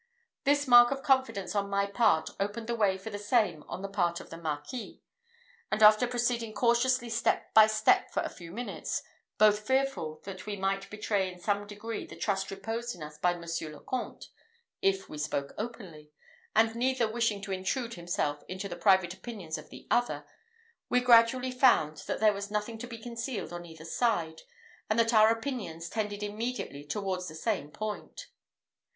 This mark of confidence on my part opened the way for the same on the part of the Marquis; and after proceeding cautiously step by step for a few minutes, both fearful that we might betray in some degree the trust reposed in us by Monsieur le Comte, if we spoke openly, and neither wishing to intrude himself into the private opinions of the other, we gradually found that there was nothing to be concealed on either side, and that our opinions tended immediately towards the same point.